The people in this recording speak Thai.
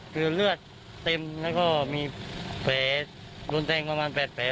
คือเลือดเต็มและก็มีแผลโดนแท้งกว่ามา๘แผล